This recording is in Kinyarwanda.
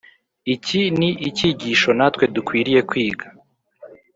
. Iki ni icyigisho natwe dukwiriye kwiga.